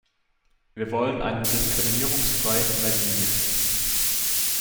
Wir wollen einen diskriminierungsfreien Energiemix.